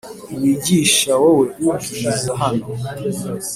ntiwiyigisha Wowe ubwiriza hano